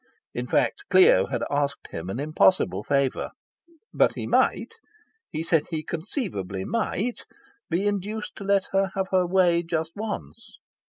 In fact, Clio had asked him an impossible favour. But he might he said he conceivably might be induced to let her have her way just once.